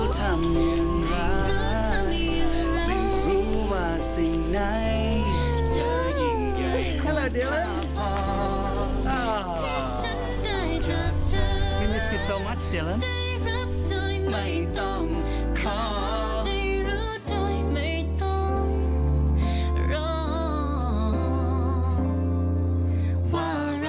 สวัสดีค่ะเดียล่ะ